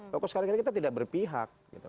lokas karir kita tidak berpihak